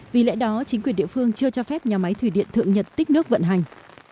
vì lẽ đó chính quyền địa phương chưa cho phép nhà máy thủy điện thượng nhật tích nước vận hành